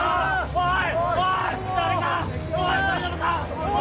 おい！